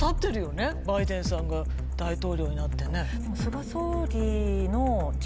バイデンさんが大統領になってね。